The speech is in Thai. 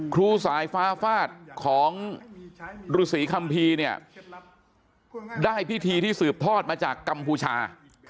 ครูสายฟ้าฟาดของฤษีคัมภีร์เนี่ยได้พิธีที่สืบทอดมาจากกัมพูชา